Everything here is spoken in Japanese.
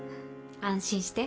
安心して。